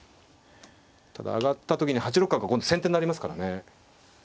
ただ上がった時に８六角が今度先手になりますからね。